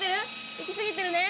いきすぎてるね